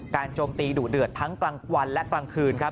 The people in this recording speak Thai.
โจมตีดุเดือดทั้งกลางวันและกลางคืนครับ